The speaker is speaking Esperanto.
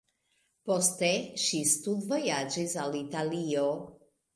Poste ŝi studvojaĝis al Italio.